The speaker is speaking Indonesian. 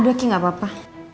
udah kiki gak apa apa